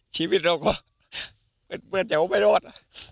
ชีวิตเราก็เป็นเบื้อเจ๋วไม่รอด